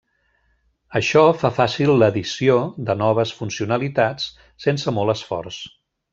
Això fa fàcil l'addició de noves funcionalitats sense molt esforç.